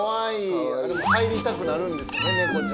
入りたくなるんですよね。